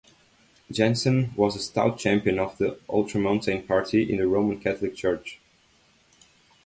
Janssen was a stout champion of the Ultramontane party in the Roman Catholic Church.